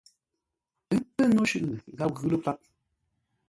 Ə́ pə́́ no shʉʼʉ gháp ghʉ lə́ páp.